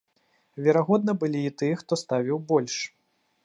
Верагодна, былі і тыя, хто ставіў больш.